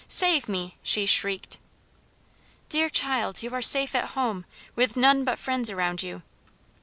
save me!" she shrieked. "Dear child, you are safe at home, with none but friends around you."